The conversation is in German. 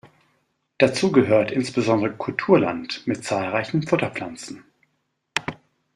Dazu gehört insbesondere Kulturland mit zahlreichen Futterpflanzen.